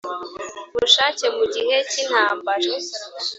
bushake mu gihe cy intambara